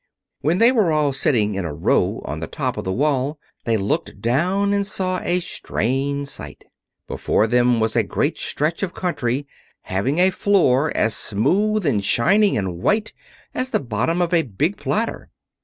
When they were all sitting in a row on the top of the wall, they looked down and saw a strange sight. Before them was a great stretch of country having a floor as smooth and shining and white as the bottom of a big platter.